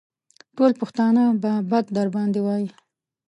ټول پښتانه به بد در باندې وايي.